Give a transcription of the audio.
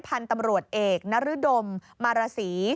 พันธุ์ตำรวจเอกนรดมมารสี